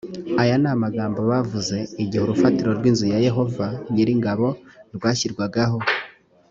aya ni amagambo bavuze igihe urufatiro rw’inzu ya yehova nyir’ingabo rwashyirwagaho